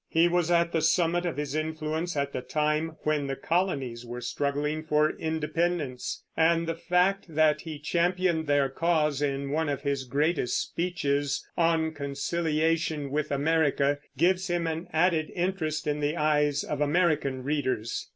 He was at the summit of his influence at the time when the colonies were struggling for independence; and the fact that he championed their cause in one of his greatest speeches, "On Conciliation with America," gives him an added interest in the eyes of American readers.